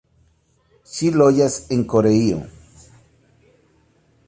Ŝi loĝas en Koreio.